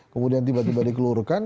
kemudian tiba tiba dikeluarkan